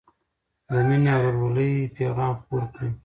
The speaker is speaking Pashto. د مینې او ورورولۍ پيغام خپور کړئ.